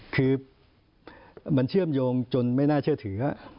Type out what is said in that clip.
คือมันเชื่อมโยงจนไม่น่าเชื่อถือ